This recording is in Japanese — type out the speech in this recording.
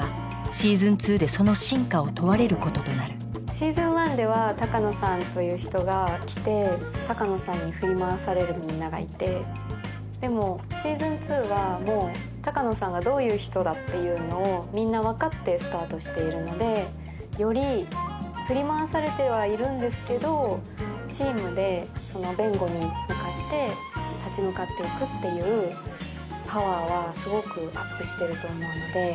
「Ｓｅａｓｏｎ１」では鷹野さんという人が来て鷹野さんに振り回されるみんながいてでも「Ｓｅａｓｏｎ２」はもう鷹野さんがどういう人だっていうのをみんな分かってスタートしているのでより振り回されてはいるんですけどチームでその弁護に向かって立ち向かっていくっていうパワーはすごくアップしてると思うので。